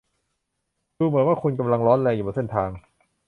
ดูเหมือนว่าคุณกำลังร้อนแรงอยู่บนเส้นทาง